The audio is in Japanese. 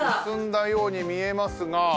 進んだように見えますが。